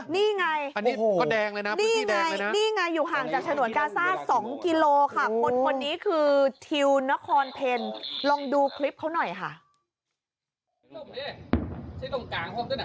นี่ไงนี่ไงอยู่ห่างจากถนนกาซ่า๒กิโลเมตรค่ะ